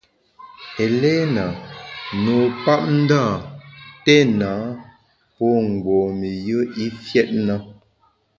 Eléna, nupapndâ, téna pô mgbom-i yùe i fiét na.